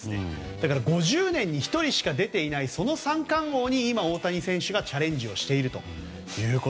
だから５０年に１人しか出ていない三冠王に今、大谷選手がチャレンジしていると。